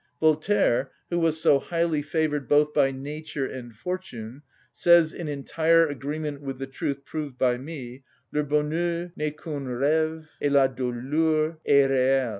Voltaire, who was so highly favoured both by nature and fortune, says, in entire agreement with the truth proved by me: "Le bonheur n'est qu'un rève, et la douleur est réelle."